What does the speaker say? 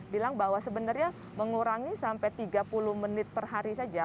bilang bahwa sebenarnya mengurangi sampai tiga puluh menit per hari saja